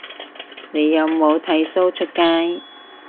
你有冇剃鬚出街